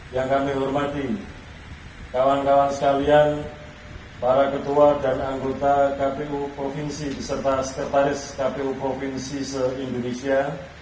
yang kami hormati kawan kawan sekalian para ketua dan anggota kpu provinsi beserta sekretaris kpu provinsi se indonesia